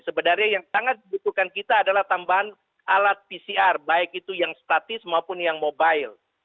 sebenarnya yang sangat dibutuhkan kita adalah tambahan alat pcr baik itu yang statis maupun yang mobile